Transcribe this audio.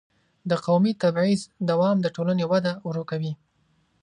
د قومي تبعیض دوام د ټولنې وده ورو کوي.